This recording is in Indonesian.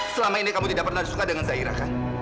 selama ini kamu tidak pernah disuka dengan zahira kan